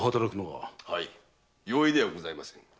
はい容易ではございません。